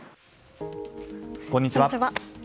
こんにちは。